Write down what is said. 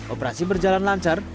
operasi berjalan lancar